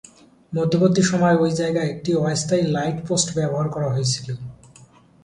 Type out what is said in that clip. মধ্যবর্তী সময়ে ঐ জায়গায় একটি অস্থায়ী লাইট পোস্ট ব্যবহার করা হয়েছিলো।